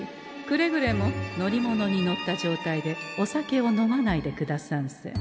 くれぐれも乗り物に乗った状態でお酒を飲まないでくださんせ。